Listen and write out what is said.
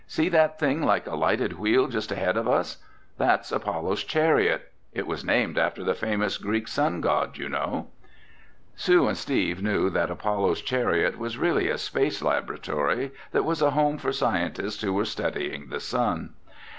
"See that thing like a lighted wheel just ahead of us? That's Apollo's Chariot. It was named after the famous Greek sun god, you know." Sue and Steve knew that Apollo's Chariot was really a space laboratory that was a home for scientists who were studying the sun.